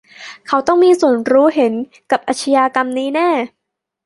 เขาต้องมีส่วนรู้เห็นกับอาชญากรรมนี้แน่